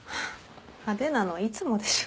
派手なのはいつもでしょ。